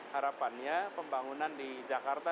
harapannya pembangunan di jakarta